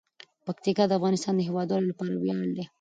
پکتیکا د افغانستان د هیوادوالو لپاره ویاړ دی.